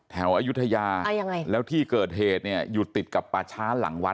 อายุทยายังไงแล้วที่เกิดเหตุเนี่ยอยู่ติดกับป่าช้าหลังวัด